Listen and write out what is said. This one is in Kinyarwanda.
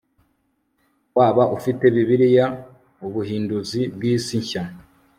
waba ufite bibiliya ubuhinduzi bw'isi nshya